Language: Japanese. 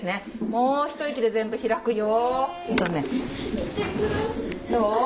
もう一息で全部開くよ。